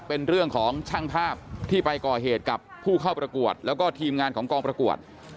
เป็นเรื่องของช่างภาพที่ไปก่อเหตุกับผู้เข้าประกวดแล้วก็ทีมงานของกองประกวด